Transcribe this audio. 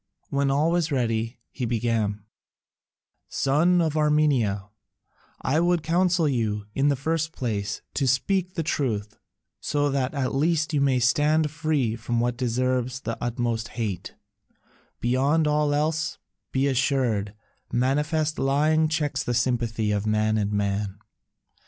When all was ready he began: "Son of Armenia, I would counsel you, in the first place, to speak the truth, so that at least you may stand free from what deserves the utmost hate: beyond all else, be assured, manifest lying checks the sympathy of man and man.